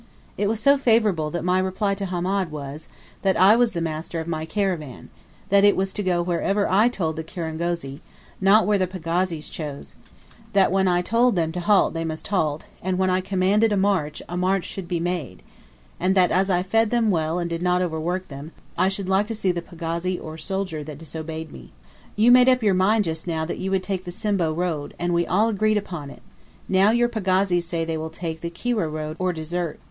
It was so favourable that my reply to Hamed was, that I was the master of my caravan, that it was to go wherever I told the kirangozi, not where the pagazis chose; that when I told them to halt they must halt, and when I commanded a march, a march should be made; and that as I fed them well and did not overwork them, I should like to see the pagazi or soldier that disobeyed me. "You made up your mind just now that you would take the Simbo road, and we were agreed upon it, now your pagazis say they will take, the Kiwyeh road, or desert.